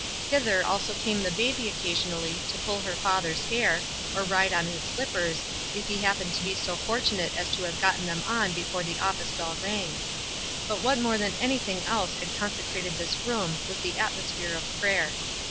Hither also came the baby occasionally to pull her fathers hair, or ride on his slippers, if he happened to be so fortunate as to have gotten them on before the office bell rang ; but what more than anything else had consecrated this room was the atmosphere of prayer.